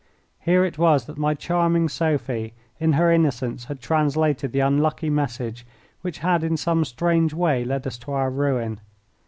Here it was that my charming Sophie in her innocence had translated the unlucky message which had in some strange way led us to our ruin.